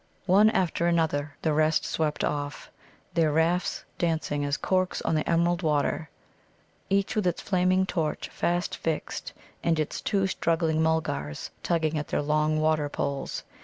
One after another the rest swept off, their rafts dancing light as corks on the emerald water, each with its flaming torch fast fixed, and its two struggling Mulgars tugging at their long water poles.